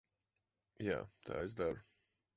Jā, tā es daru.